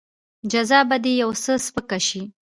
جزا به دې يو څه سپکه شي.